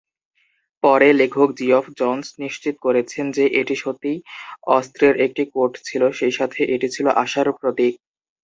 পরে, লেখক Geoff Johns নিশ্চিত করেছেন যে এটি সত্যিই অস্ত্রের একটি কোট ছিল, সেইসাথে এটি ছিল আশার প্রতীক।